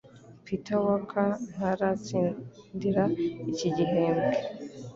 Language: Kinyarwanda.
Peter Walker ntaratsindira iki gihembwe